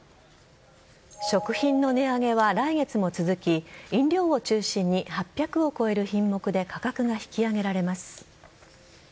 食品の値上げは来月も続き飲料を中心に８００を超える品目で価格が引き上げられます。